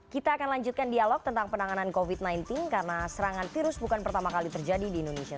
kita akan lanjutkan dialog tentang penanganan covid sembilan belas karena serangan virus bukan pertama kali terjadi di indonesia